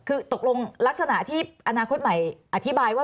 คือตกลงลักษณะที่อนาคตใหม่อธิบายว่า